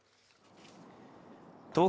東京